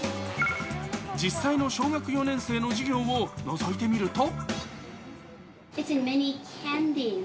実際の小学４年生の授業をのぞいてみると。